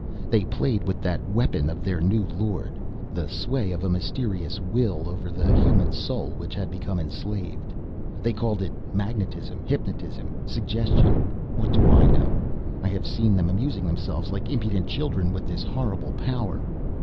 They played with that weapon of their new Lord, the sway of a mysterious will over the human soul, which had become enslaved. They called it magnetism, hypnotism, suggestion ... what do I know? I have seen them amusing themselves like impudent children with this horrible power!